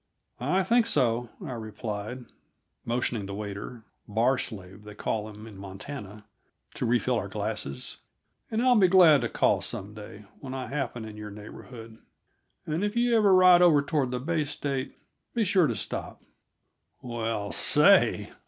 "I think so," I replied, motioning the waiter "bar slave," they call them in Montana to refill our glasses. "And I'll be glad to call some day, when I happen in your neighborhood. And if you ever ride over toward the Bay State, be sure you stop." Well, say!